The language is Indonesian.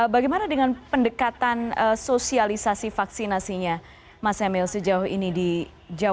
bagaimana dengan pendekatan sosialisasi vaksinasinya